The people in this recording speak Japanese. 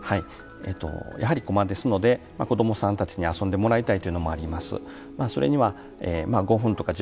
やはり、こまですので子どもさんたちに遊んでもらいたいのもあります。